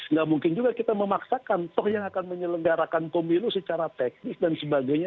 nggak mungkin juga kita memaksakan toh yang akan menyelenggarakan pemilu secara teknis dan sebagainya